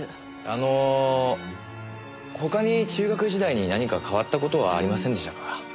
あの他に中学時代に何か変わった事はありませんでしたか？